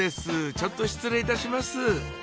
ちょっと失礼いたします